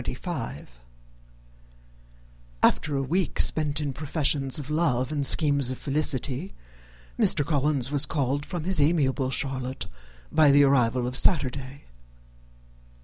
After a week spent in professions of love and schemes of felicity, Mr. Collins was called from his amiable Charlotte by the arrival of Saturday.